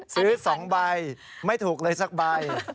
ซื้อ๒ใบไม่ถูกเลยสักใบ